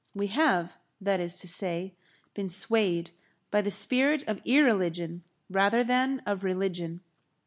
We have, that is to say, been swayed by the spirit of irreligion rather than of religion.